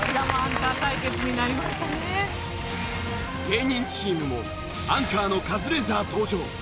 芸人チームもアンカーのカズレーザー登場。